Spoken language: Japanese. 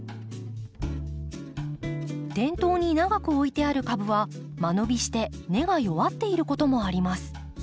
店頭に長く置いてある株は間延びして根が弱っていることもあります。